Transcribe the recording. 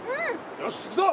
よし行くぞ！